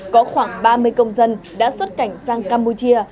có khoảng ba mươi công dân đã xuất cảnh sang campuchia